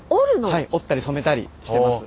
はい織ったり染めたりしてます。